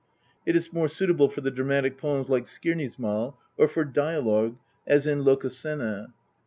It is more suitable for the dramatic poems like Skirnismal, or for dialogue as in Lokasenna.